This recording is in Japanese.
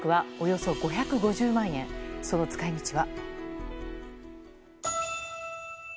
その使い道は。